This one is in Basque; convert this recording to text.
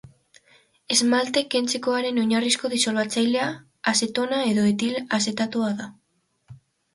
Esmalte-kentzekoaren oinarrizko disolbatzailea azetona edo etil azetatoa da.